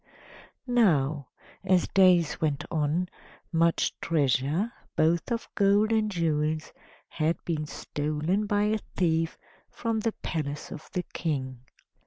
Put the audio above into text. Now, as days went on, much treasure, both of gold and jewels, had been stolen by a thief from the palace of the King.